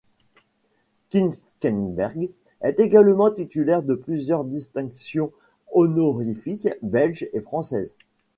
Klinkenberg est également titulaire de plusieurs distinctions honorifiques belges et françaises.